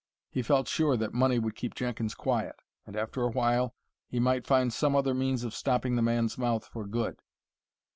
He felt sure that money would keep Jenkins quiet, and after a while he might find some other means of stopping the man's mouth for good.